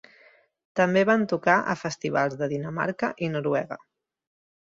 També van tocar a festivals de Dinamarca i Noruega.